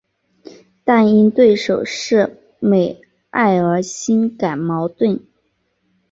但因对手是美爱而心感矛盾。